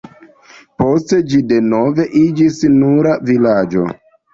Poste ĝi denove iĝis nura vilaĝo.